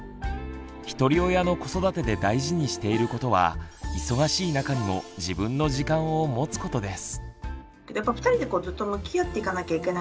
ひとり親の子育てで大事にしていることは忙しい中にも自分の時間を持つことです。